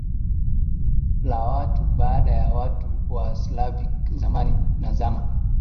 la watu baada ya watu wa Slavic Zamani na Zama